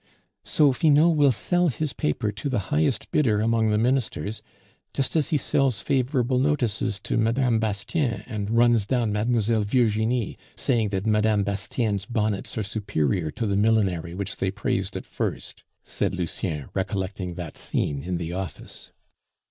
"So Finot will sell his paper to the highest bidder among the Ministers, just as he sells favorable notices to Mme. Bastienne and runs down Mlle. Virginie, saying that Mme. Bastienne's bonnets are superior to the millinery which they praised at first!" said Lucien, recollecting that scene in the office.